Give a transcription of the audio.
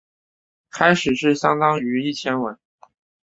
开始是相当于一千文。